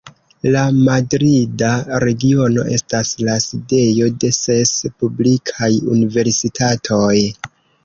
La Madrida Regiono estas la sidejo de ses publikaj universitatoj.